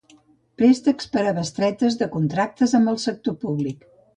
Préstecs per a bestretes de contractes amb el sector públic.